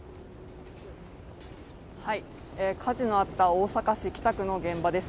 火事のあった大阪市北区の現場です。